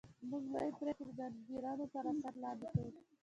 موږ لویې پرېکړې د انګېرنو تر اثر لاندې کوو